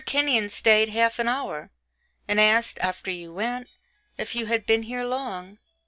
Kenyon stayed half an hour, and asked, after you went, if you had been here long.